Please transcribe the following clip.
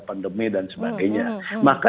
pandemi dan sebagainya maka